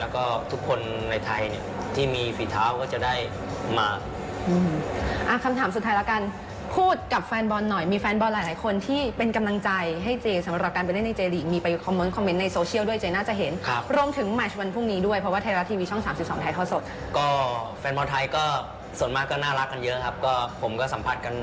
คำถามสุดท้ายแล้วกันพูดกับแฟนบอลหน่อยมีแฟนบอลหลายคนที่เป็นกำลังใจให้เจสำหรับการเกิดเล่นในเจลีกมีไปคอมเม้นท์ในโซเชียลด้วยเจน่าจะเห็นรวมถึงมันวันพรุ่งนี้ด้วยเพราะว่าไทยละทีวีช่อง๓๒ไทยเข้าสดก็แฟนบอลไทยก็ส่วนมากก็น่ารักกันเยอะครับก็ผมก็สัมผัสกัน